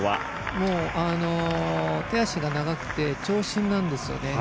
もう手足が長くて長身なんですよね。